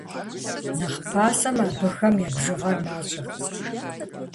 Нэхъ пасэм абыхэм я бжыгъэр мащӀэт.